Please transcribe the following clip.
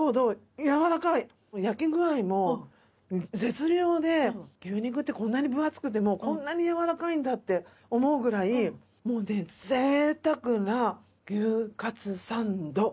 焼き具合も絶妙で牛肉ってこんなに分厚くてもこんなに軟らかいんだって思うぐらいもうねぜいたくな牛カツサンド。